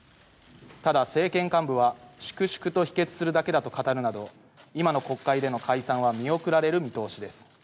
ただ政権幹部は粛々と否決するだけだと語るなど今の国会での解散は見送られる見通しです。